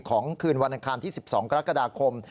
คืนวันอังคารที่๑๒กรกฎาคม